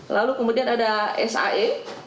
lalu kemudian ada sae